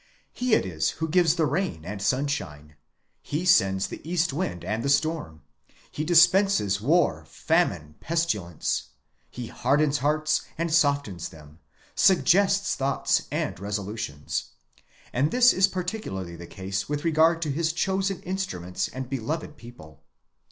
He it is who gives the rain and sunshine ; he sends the east wind and the storm ; he dispenses war, famine, pestilence ; he hardens hearts and softens them, suggests thoughts and resolutions. And this is particularly the case with regard to his chosen instruments and beloved people.